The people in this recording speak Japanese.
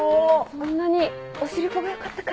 そんなにお汁粉がよかったか。